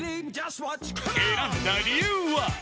選んだ理由は？